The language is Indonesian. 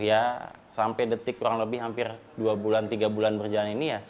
ya sampai detik kurang lebih hampir dua bulan tiga bulan berjalan ini ya